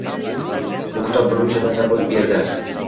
Bu kitob birmuncha tasavvur berdi